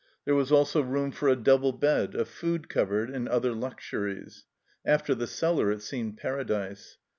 There was also room for a double bed, a food cupboard, and other luxuries ; after the cellar it seemed Paradise.